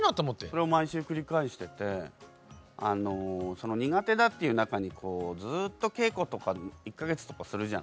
それを毎週繰り返してて苦手だっていう中にずっと稽古とか１か月とかするじゃないですか。